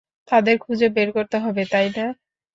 তাদের খুঁজে বের করতে হবে, তাই না?